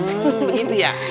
hmm begitu ya